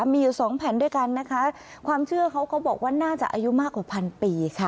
มีอยู่สองแผ่นด้วยกันนะคะความเชื่อเขาก็บอกว่าน่าจะอายุมากกว่าพันปีค่ะ